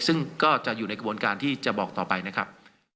ซึ่งก็จะอยู่ในกระบวนการที่จะบอกต่อไปนะครับ